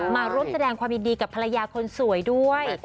มาร่วมแสดงความยินดีกับภรรยาคนสวยด้วย